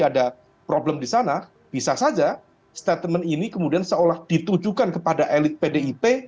ada problem di sana bisa saja statement ini kemudian seolah ditujukan kepada elit pdip